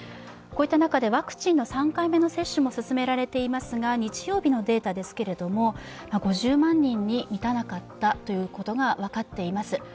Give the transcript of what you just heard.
こういった中でワクチンの３回目の接種も進められていますが日曜日のデータですけど５０万人に満たなかったということが分かっています。